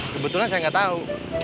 kebetulan saya gak tahu